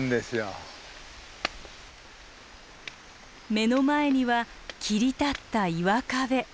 目の前には切り立った岩壁。